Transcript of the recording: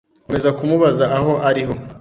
nkomeza kumubaza aho ariho,